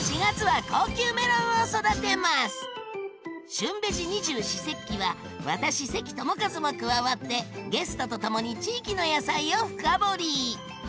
「旬ベジ二十四節気」は私関智一も加わってゲストとともに地域の野菜を深掘り！